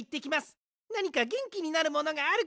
なにかげんきになるものがあるかもしれません。